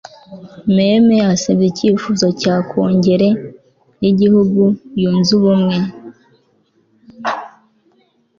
Meme asebya icyifuzo cya Kongere yigihugu yunze ubumwe